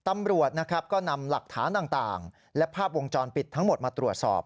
ตำรวจนะครับก็นำหลักฐานต่างและภาพวงจรปิดทั้งหมดมาตรวจสอบ